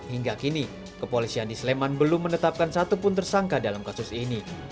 hingga kini kepolisian di sleman belum menetapkan satupun tersangka dalam kasus ini